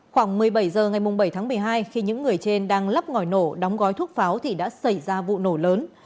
khoảng một mươi bảy h ngày bảy tháng một mươi hai khi những người trên đang lắp ngòi nổ đóng gói thuốc pháo thì đã xảy ra vụ nổ lớn